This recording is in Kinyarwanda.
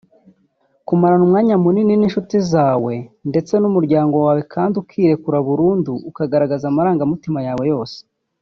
kumarana umwanya munini n’inshuti zawe ndetse n’umuryango wawe kandi ukirekura burundu ukagaragaza amarangamutima yawe yose